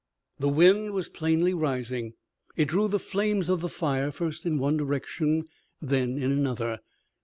The wind was plainly rising. It drew the flames of the fire first in one direction, then in another.